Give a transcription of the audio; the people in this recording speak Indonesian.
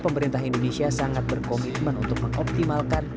pemerintah indonesia sangat berkomitmen untuk mengoptimalkan